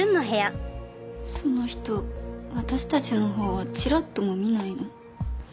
その人私たちのほうはちらっとも見ないの。